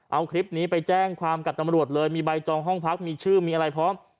เอาคลิปนี้ไปแจ้งความกับตำรวจเลยมีใบจองห้องพักมีชื่อมีอะไรพร้อม